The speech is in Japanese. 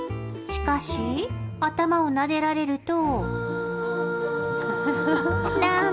しかし、頭をなでられると。